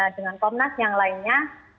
dengan komnas yang lainnya